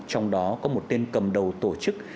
trong đó có một tên cầm đầu tổ chức